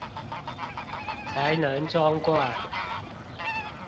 才能裝罐